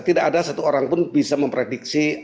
tidak ada satu orang pun bisa memprediksi